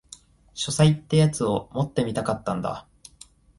書斎ってやつを持ってみたかったんだ